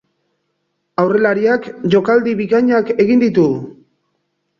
Aurrelariak jokaldi bikainak egin ditu.